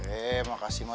eh makasih ma